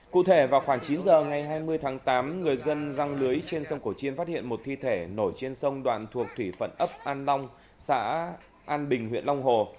cụ thể vào khoảng chín giờ ngày hai mươi tháng tám người dân răng lưới trên sông cổ chiên phát hiện một thi thể nổi trên sông đoạn thuộc thủy phận ấp an long xã an bình huyện long hồ